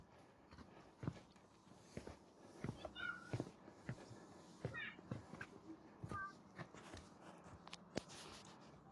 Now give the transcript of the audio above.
冷却室内设有散热器和风扇。